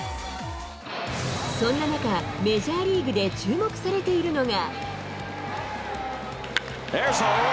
そんな中、メジャーリーグで注目されているのが。